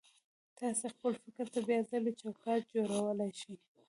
تاسې خپل فکر ته بيا ځلې چوکاټ جوړولای شئ.